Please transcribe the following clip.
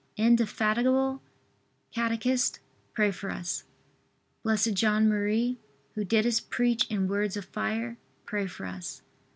indefatigable catechist, pray for us. B. J. M., who didst preach in words of fire, pray for us.